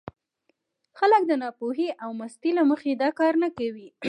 خلک د ناپوهۍ او مستۍ له مخې دا کار نه کوي.